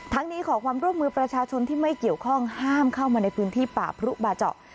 นี้ขอความร่วมมือประชาชนที่ไม่เกี่ยวข้องห้ามเข้ามาในพื้นที่ป่าพรุบาเจาะ